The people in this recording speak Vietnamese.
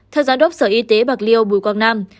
theo giám đốc sở y tế bạc liêu bùi quang nam